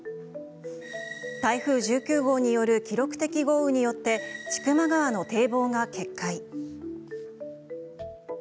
台風１９号による記録的豪雨によって千曲川の堤防が決壊。